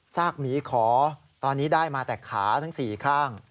กหมีขอตอนนี้ได้มาแต่ขาทั้ง๔ข้าง